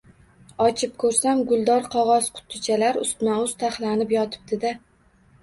Ochib ko‘rsam, guldor qog‘oz qutichalar ustma-ust taxlanib yotibdi-da